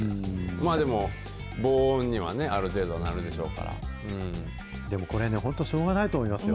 まあでも、防音にはある程度はなでもね、これね、しょうがないと思いますよ。